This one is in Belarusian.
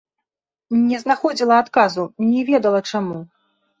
Не знаходзіла адказу, не ведала чаму.